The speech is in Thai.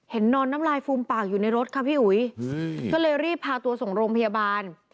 นอนน้ำลายฟูมปากอยู่ในรถค่ะพี่อุ๋ยก็เลยรีบพาตัวส่งโรงพยาบาล